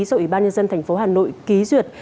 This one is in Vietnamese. do ủy ban nhân dân tp hà nội ký duyệt